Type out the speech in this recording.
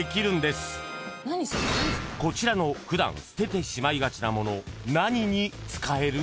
［こちらの普段捨ててしまいがちなもの何に使える？］